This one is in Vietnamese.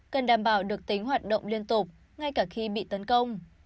cần đảm bảo được tính hoạt động liên tục ngay cả khi bị tấn công